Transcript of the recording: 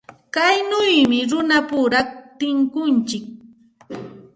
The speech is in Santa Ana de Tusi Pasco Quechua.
Kaynawmi runapura tunkuntsik.